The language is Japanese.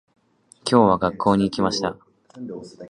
今日は、学校に行きました。